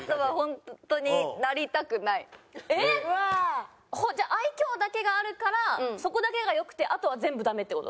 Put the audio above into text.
えっ！じゃあ愛嬌だけがあるからそこだけが良くてあとは全部ダメって事？